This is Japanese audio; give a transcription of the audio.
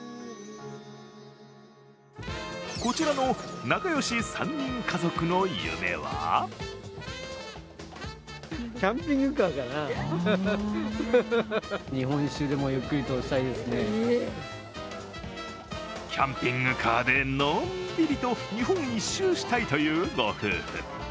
こちらの仲良し３人家族の夢はキャンピングカーでのんびりと日本一周したいというご夫婦。